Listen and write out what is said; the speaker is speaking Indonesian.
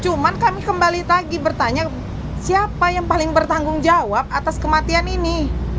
cuma kami kembali lagi bertanya siapa yang paling bertanggung jawab atas kematian ini